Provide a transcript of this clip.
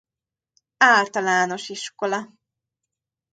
Általános Iskola.